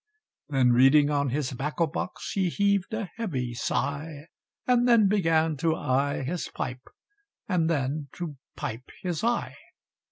Then reading on his 'bacco box, He heaved a heavy sigh, And then began to eye his pipe, And then to pipe his eye.